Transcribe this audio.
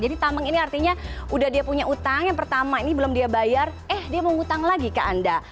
jadi tameng ini artinya udah dia punya utang yang pertama ini belum dia bayar eh dia mau hutang lagi ke anda